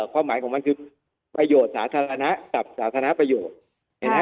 ความหมายของมันคือประโยชน์สาธารณะกับสาธารณประโยชน์